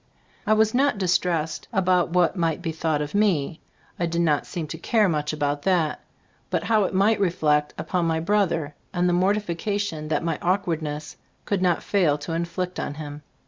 I was not distressed about what might be thought of me. I did not seem to care much about that; but how it might reflect upon my brother, and the mortification that my awkward ness could not fail to inflict on him.